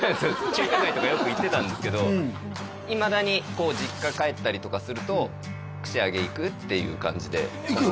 中華街とかよく行ってたんですけどいまだに実家帰ったりとかすると串揚げ行く？っていう感じで行く？